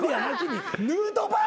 ヌートバー！